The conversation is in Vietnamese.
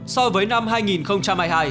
so với năm hai nghìn hai mươi hai